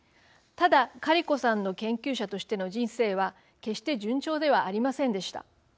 ただ、カリコさんの研究者としての人生は決して順調ではありませんでした。